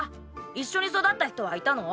一緒に育った人はいたの？